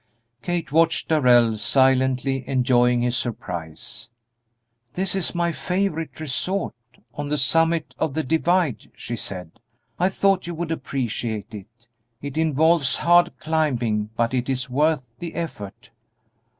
Kate watched Darrell, silently enjoying his surprise. "This is my favorite resort, on the summit of the 'divide,'" she said; "I thought you would appreciate it. It involves hard climbing, but it is worth the effort."